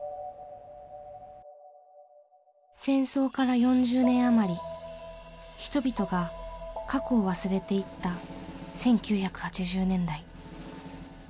戦争から４０年余り人々が過去を忘れていった１９８０年代。